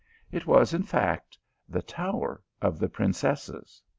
It was, in fact, the " tower of the Prin cesses."